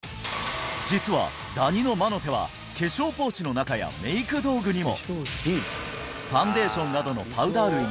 実はダニの魔の手は化粧ポーチの中やメイク道具にも！